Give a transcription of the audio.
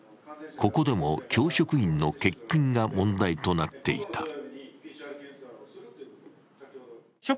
ここでも教職員の欠勤が問題となっていた。